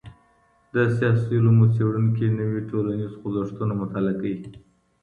د سياسي علومو څېړونکي نوي ټولنيز خوځښتونه مطالعۀ کوي.